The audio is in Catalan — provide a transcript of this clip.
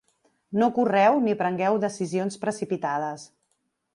No correu ni prengueu decisions precipitades.